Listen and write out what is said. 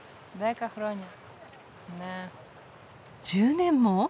１０年も？